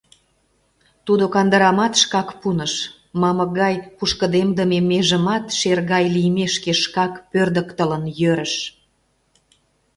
Тудо кандырамат шкак пуныш, мамык гай пушкыдемдыме межымат шер гай лиймешке шкак пӧрдыктылын йӧрыш.